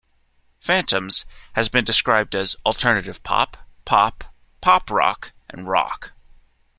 "Phantoms" has been described as alternative pop, pop, pop rock, and rock.